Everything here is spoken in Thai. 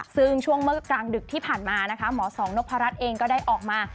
ซึ่งช่วงกลางดึกที่ผ่านมาหมอสองนพรรดิเองก็ได้ออกมา